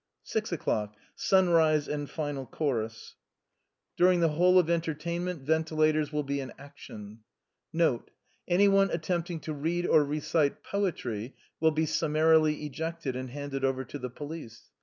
6. — Sunrise and final chorus. During the whole of the entertainment ventilators will be in action. N.B. Anyone attempting to read or recite poetry will be summarily ejected and handed over to the police.